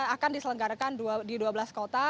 akan diselenggarakan di dua belas kota